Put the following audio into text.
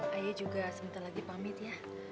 ayah juga sebentar lagi pamit ya